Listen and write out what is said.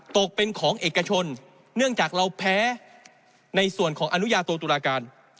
ตกเป็นของเอกชนเนื่องจากเราแพ้ในส่วนของอนุญาโตตุลาการ